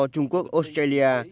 trung quốc australia